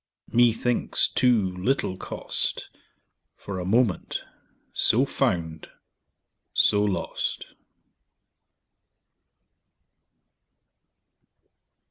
_20 5. ......... Methinks too little cost For a moment so found, so lost!